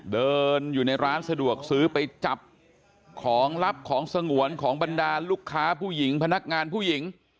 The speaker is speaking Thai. เดินอยู่ในร้านสะดวกซื้อไปจับของลับของสงวนของบรรดาลูกค้าผู้หญิงพนักงานผู้หญิง